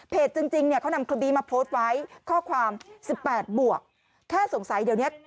จริงจริงเนี่ยเขานำคลิปนี้มาโพสต์ไว้ข้อความสิบแปดบวกแค่สงสัยเดี๋ยวเนี้ย